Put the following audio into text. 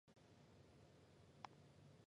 死后谥号恭公。